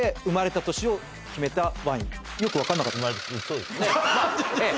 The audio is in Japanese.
そうですねええ